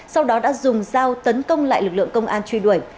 sau đó đã dùng dao tấn công lại lực lượng công an truy đuổi